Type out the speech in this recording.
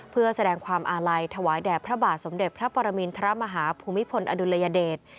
เพื่อแสดงความอาลัยถวายแด่พระบาทสมเด็จพระปรมินทรมาฮาภูมิพลอดุลยเดช